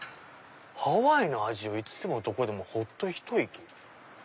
「ハワイの味をいつでもどこでもほっとひと息」。